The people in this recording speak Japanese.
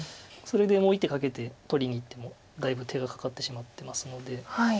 それでもう１手かけて取りにいってもだいぶ手がかかってしまってますので。